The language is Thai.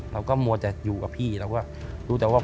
มัวแต่อยู่กับพี่เราก็รู้แต่ว่า